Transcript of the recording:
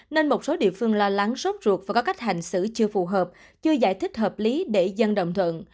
nên một số địa phương lo lắng sốt ruột và có cách hành xử chưa phù hợp chưa giải thích hợp lý để dân đồng thuận